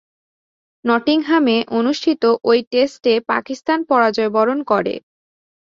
নটিংহামে অনুষ্ঠিত ঐ টেস্টে পাকিস্তান পরাজয়বরণ করে।